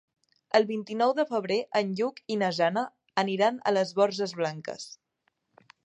El vint-i-nou de febrer en Lluc i na Jana aniran a les Borges Blanques.